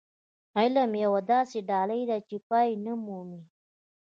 علم يوه داسې ډالۍ ده چې پای نه مومي.